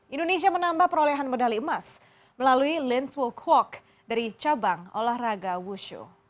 indonesia menambah perolehan medali emas melalui linzwell kwok dari cabang olahraga wushu